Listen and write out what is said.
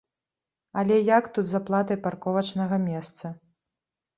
Але як тут з аплатай парковачнага месца?